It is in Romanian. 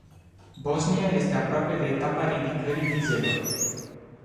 Bosnia este aproape de etapa ridicării vizelor.